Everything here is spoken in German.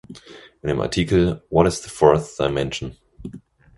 In dem Artikel "What is the fourth dimension?